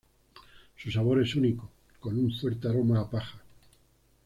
Su sabor es único, con un fuerte aroma a paja.